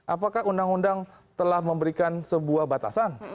apakah undang undang telah memberikan sebuah batasan